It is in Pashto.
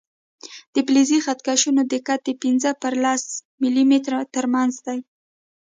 د فلزي خط کشونو دقت د پنځه په لس ملي متره تر منځ دی.